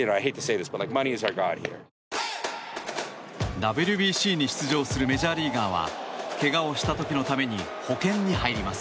ＷＢＣに出場するメジャーリーガーはけがをした時のために保険に入ります。